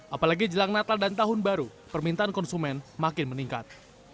apalagi jelang natal dan tahun baru permintaan konsumen makin meningkat